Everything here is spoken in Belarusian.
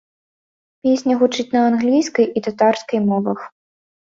Песня гучыць на англійскай і татарскай мовах.